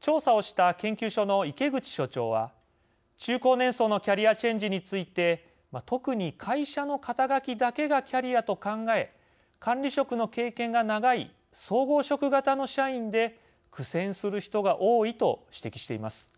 調査をした研究所の池口所長は中高年層のキャリアチェンジについて特に会社の肩書きだけがキャリアと考え管理職の経験が長い総合職型の社員で苦戦する人が多いと指摘しています。